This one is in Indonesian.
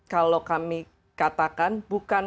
kalau kami katakan bukan